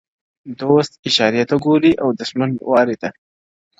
دوست اشارې ته ګوري او دښمن وارې ته -